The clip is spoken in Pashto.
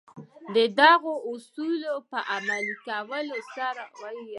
د دغو اصولو په عملي کولو سره به ستاسې اقتصاد ښه شي.